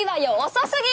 遅すぎ！